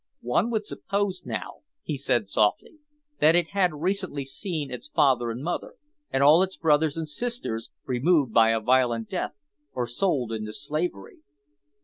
"One would suppose, now," he said softly, "that it had recently seen its father and mother, and all its brothers and sisters, removed by a violent death, or sold into slavery."